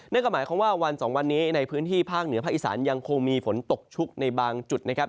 นั่นก็หมายความว่าวันสองวันนี้ในพื้นที่ภาคเหนือภาคอีสานยังคงมีฝนตกชุกในบางจุดนะครับ